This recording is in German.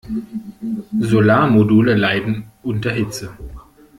Solarmodule leiden unter Hitze.